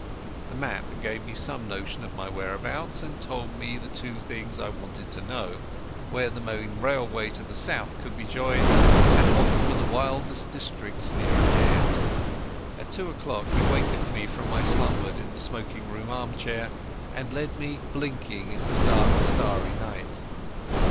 The map gave me some notion of my whereabouts, and told me the two things I wanted to know—where the main railway to the south could be joined, and what were the wildest districts near at hand. At two o'clock he wakened me from my slumbers in the smoking room armchair, and led me blinking into the dark starry night.